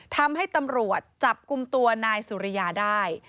ทำให้ตำรวจจับกลุ่มตัวนายสุริยาได้